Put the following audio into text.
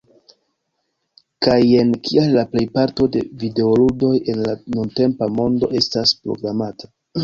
Kaj jen kial la plejparto de videoludoj en la nuntempa mondo estas programata